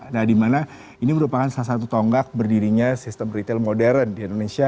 nah dimana ini merupakan salah satu tonggak berdirinya sistem retail modern di indonesia